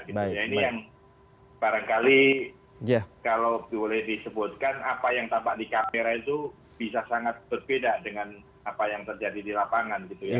ini yang barangkali kalau boleh disebutkan apa yang tampak di kamera itu bisa sangat berbeda dengan apa yang terjadi di lapangan gitu ya